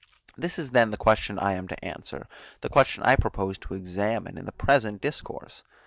This is then the question I am to answer, the question I propose to examine in the present discourse.